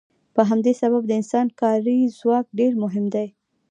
په همدې سبب د انسان کاري ځواک ډیر مهم دی.